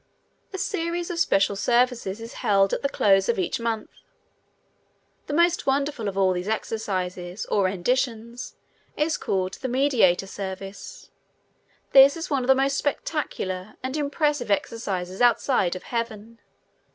A series of special services is held at the close of each month. The most wonderful of all these exercises, or renditions, is called "The Mediator Service." This is one of the most spectacular and impressive exercises outside of Heaven.